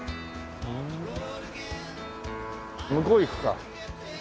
向こう行くか。